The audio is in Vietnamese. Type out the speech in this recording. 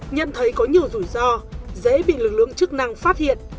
nhận thấy có nhiều rủi ro dễ bị lực lượng chức năng phát hiện